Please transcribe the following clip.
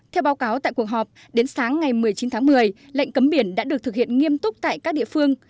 theo báo cáo tại cuộc họp đến sáng ngày một mươi chín tháng một mươi lệnh cấm biển đã được thực hiện nghiêm túc tại các địa phương